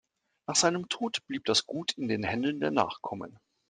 Nach seinem Tod blieb das Gut in den Händen der Nachkommen.